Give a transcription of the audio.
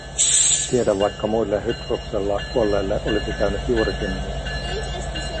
Tiedä vaikka muille Hydruksella kuolleille olisi käynyt juurikin niin.